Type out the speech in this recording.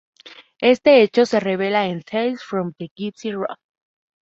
Este hecho se revela en "Tales From the Gypsy Road".